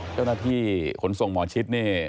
เจ้าหน้าที่ขนส่งหมอชิดเนี่ย